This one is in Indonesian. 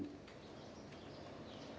kedua kami masih harus menemani ibu